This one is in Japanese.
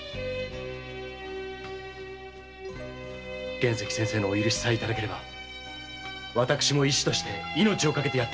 玄石先生のお許しさえいただければ私も医師として命を賭けてやってみとうございます。